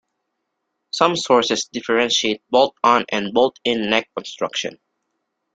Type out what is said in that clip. Some sources differentiate bolt-on and bolt-in neck construction.